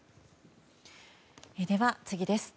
では、次です。